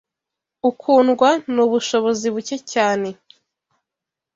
ukundwa nubushobozi buke cyane